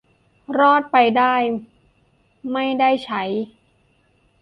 รอดไปไม่ได้ใช้